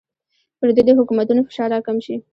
پر دوی د حکومتونو فشار راکم شي.